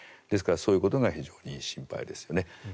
ですから、そういうことが非常に心配ですよね。